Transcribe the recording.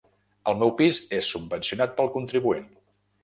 El meu pis és subvencionat pel contribuent.